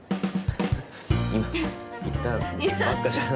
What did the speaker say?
今言ったばっかじゃん。